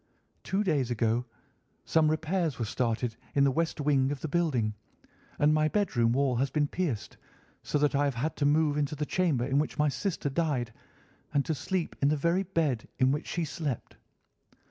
Two days ago some repairs were started in the west wing of the building, and my bedroom wall has been pierced, so that I have had to move into the chamber in which my sister died, and to sleep in the very bed in which she slept.